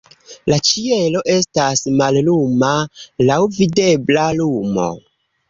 La ĉielo estas malluma, laŭ videbla lumo.